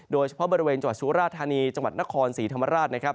โดยเฉพาะบริเวณจังหวัดสุราธานีจังหวัดนครศรีธรรมราชนะครับ